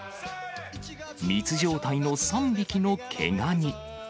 密状態の３匹の毛ガニ。